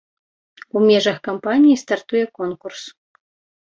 У межах кампаніі стартуе конкурс.